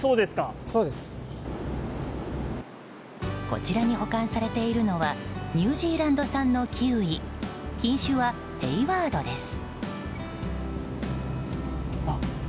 こちらに保管されているのはニュージーランド産のキウイ品種はヘイワードです。